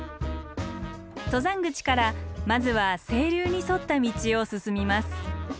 登山口からまずは清流に沿った道を進みます。